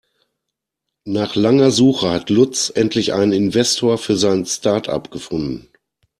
Nach langer Suche hat Lutz endlich einen Investor für sein Startup gefunden.